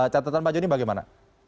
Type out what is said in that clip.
catatan pak joni bagaimana